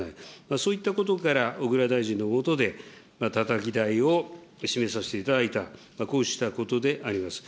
そういったことから、小倉大臣の下でたたき台を示させていただいた、こうしたことであります。